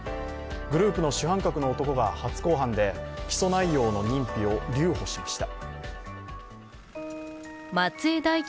グループの主犯格の男が初公判で起訴内容の認否を留保しました。